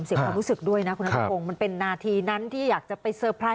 เสียความรู้สึกด้วยนะคุณนัทพงศ์มันเป็นนาทีนั้นที่อยากจะไปเซอร์ไพรส